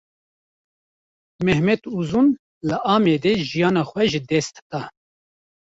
Mehmet Uzun, li Amedê jiyana xwe ji dest da